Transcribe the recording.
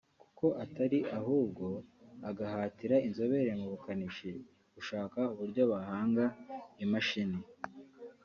kuko atari ahubwo agahatira inzobere mu bukanishi gushaka uburyo bahanga imashini